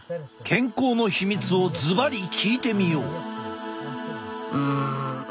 健康のヒミツをずばり聞いてみよう。